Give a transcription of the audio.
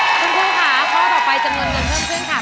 คุณผู้ค่ะข้อต่อไปจะเงินเงินเพิ่มเพื่อนค่ะ